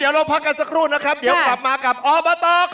อวตขอโชว์